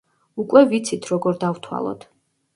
უკვე ვიცით, როგორ დავთვალოთ.